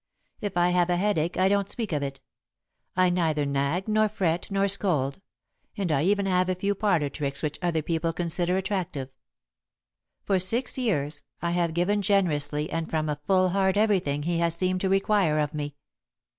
If I have a headache I don't speak of it. I neither nag nor fret nor scold, and I even have a few parlour tricks which other people consider attractive. For six years, I have given generously and from a full heart everything he has seemed to require of me.